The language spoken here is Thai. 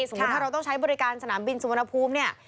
สมมุติถ้าเราต้องใช้บริการสนามบินสุวรรณภูมิเนี่ย